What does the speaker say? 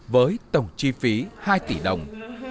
với tổng chi phí hai tỷ đồng